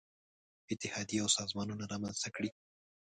اتحادیې او سازمانونه رامنځته کړي.